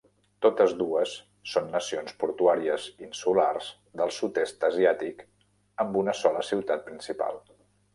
Totes dues són nacions portuàries insulars del sud-est asiàtic amb una sola ciutat principal.